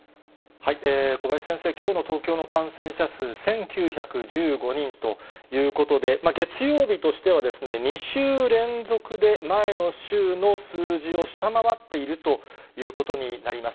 小林先生、きょうの東京の感染者数、１９１５人ということで、月曜日としてはですね、２週連続で前の週の数字を下回っているということになります。